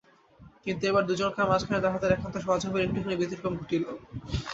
কিন্তু এবার দুজনকার মাঝখানে তাহাদের একান্ত সহজ ভাবের একটুখানি ব্যতিক্রম ঘটিল।